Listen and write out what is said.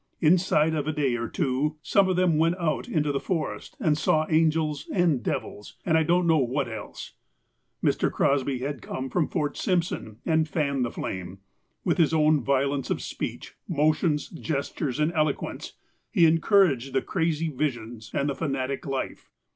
Inside of a day or two, some of them went out into the forest, and saw angels, and devils, and I don't know what else. Mr. Crosby had come from Fort Simpson and fanned the flame. With his own violence of speech, motions, gestures, and eloquence, he encouraged the crazy visions and the fanatic life.